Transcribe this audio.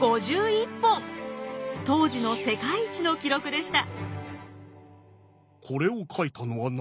当時の世界一の記録でした。